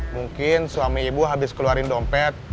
mungkin suami ibu habis keluarin dompet